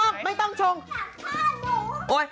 อ๋อหน้าแม่โบเหมือนเบเบ